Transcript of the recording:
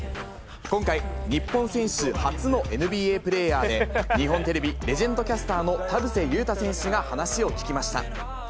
今回、日本選手初のＮＢＡプレーヤーで、日本テレビレジェンドキャスターの田臥勇太選手が話を聞きました。